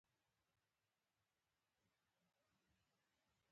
احمد کار په سترګو ویني، په ښکاره سترګې پرې پټوي.